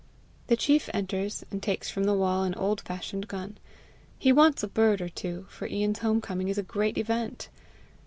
The chief enters, and takes from the wall an old fashioned gun. He wants a bird or two, for Ian's home coming is a great event.